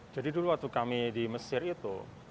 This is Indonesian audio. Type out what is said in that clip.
jadi dulu waktu kami di mesir itu